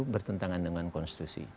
bertentangan dengan konstitusi